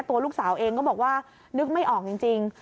ตัวลูกสาวเองก็บอกว่านึกไม่ออกจริง